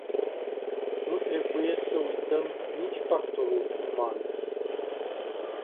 Nu trebuie să uităm nici factorul uman.